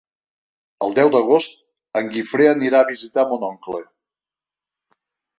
El deu d'agost en Guifré anirà a visitar mon oncle.